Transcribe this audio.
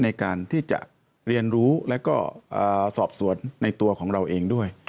ในการที่จะเรียนรู้แล้วก็สอบสวนในตัวของเราเองด้วย